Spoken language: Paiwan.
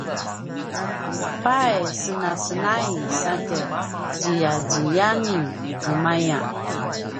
pai senasenai satje ziyaziyani numaya